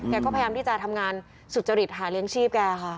ก็พยายามที่จะทำงานสุจริตหาเลี้ยงชีพแกค่ะ